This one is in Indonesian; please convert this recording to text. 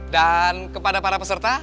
dan kepada para peserta